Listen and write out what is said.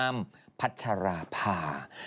อ้ำพัชราภา